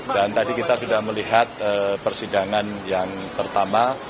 dan tadi kita sudah melihat persidangan yang pertama